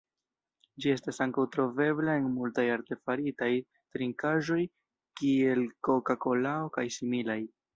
Ĝi estas ankaŭ trovebla en multaj artefaritaj trinkaĵoj, kiel koka-kolao kaj similaj.